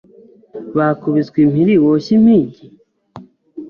Bakubiswe impiri woshye impigi?